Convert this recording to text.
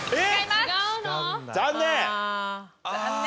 残念！